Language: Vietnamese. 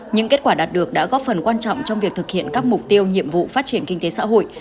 những kết quả đạt được đã góp phần quan trọng trong việc thực hiện các mục tiêu nhiệm vụ phát triển kinh tế xã hội